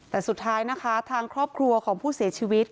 แต่สุดท้ายนะคะทางครอบครัวของผู้เสียชีวิต